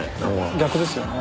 逆ですよね。